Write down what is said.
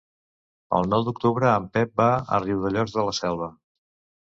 El nou d'octubre en Pep va a Riudellots de la Selva.